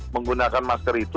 menggunakan masker itu